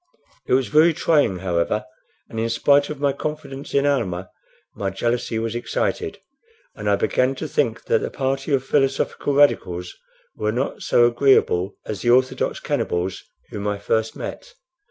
It was very trying, however, and, in spite of my confidence in Almah, my jealousy was excited, and I began to think that the party of philosophical Radicals were not so agreeable as the orthodox cannibals whom I first met.